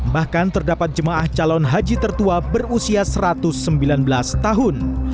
bahkan terdapat jemaah calon haji tertua berusia satu ratus sembilan belas tahun